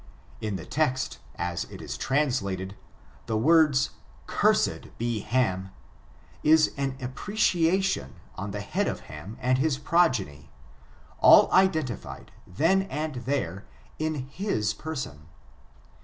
In the text, as it is translatedf the words, cursed be Ham, is an tm preccUion on the head of Ham and his progeny, all identified, then and there, in his person.